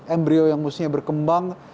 embryo yang mestinya berkembang